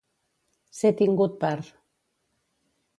Ser tingut per.